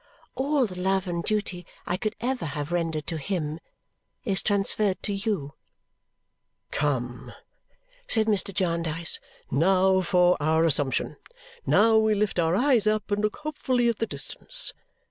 All the love and duty I could ever have rendered to him is transferred to you." "Come!" said Mr. Jarndyce. "Now for our assumption. Now we lift our eyes up and look hopefully at the distance!